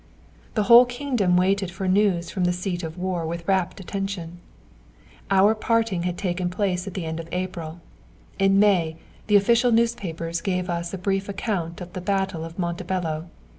The whole kingdom waited for news from the seat of war with rapt attention. Our parting had taken place at the end of April. In May, the official newspapers gave us a brief account of the battle of Montebello.